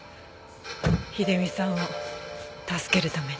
秀美さんを助けるために。